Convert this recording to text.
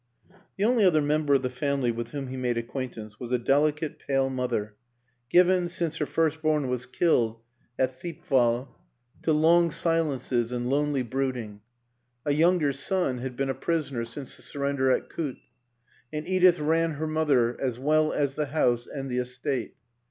The only other member of the family with whom he made acquaintance was a delicate, pale mother, given, since her firstborn was killed at 262 WILLIAM AN ENGLISHMAN 263 Thiepval, to long silences and lonely brooding; a younger son had been a prisoner since the sur render at Kut, and Edith ran her mother as well as the house and the estate.